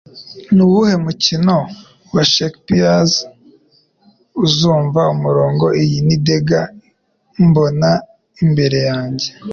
Nuwuhe mukino wa Shakespeare Uzumva Umurongo "Iyi ni Dagger mbona imbere yanjye"?